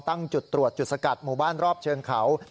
ตั้งจุดตรวจจุดสกัดหมู่บ้านรอบเชิงเขา